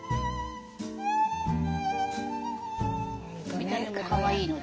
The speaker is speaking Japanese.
見た目もかわいいので。